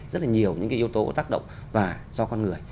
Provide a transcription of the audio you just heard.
rất là nhiều những cái yếu tố tác động và do con người